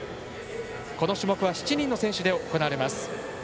この種目は７人の選手で行われます。